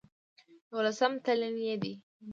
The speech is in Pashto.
يوولسم تلين يې دی